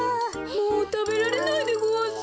もうたべられないでごわす。